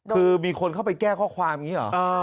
คือมีคนเข้าไปแก้ข้อความอย่างนี้เหรอ